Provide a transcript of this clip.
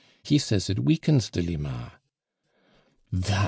He says it weatens Delima." "That!"